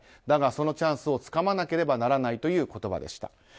だが、そのチャンスをつかまなければならないという言葉でした。